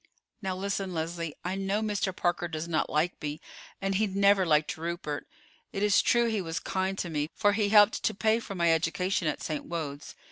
"Now listen, Leslie. I know Mr. Parker does not like me, and he never liked Rupert. It is true he was kind to me, for he helped to pay for my education at St. Wode's.